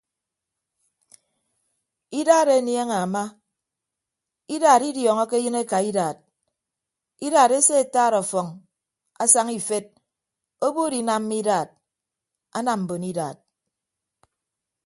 Idaat enieñe ama idaat idiọọñọke eyịn eka idaat idaat esee ataat ọfọñ asaña ifet obuut inamma idaat anam mbon idaat.